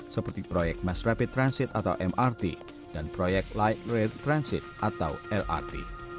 seperti proyek mass rapid transit atau mrt dan proyek light rail transit atau lrt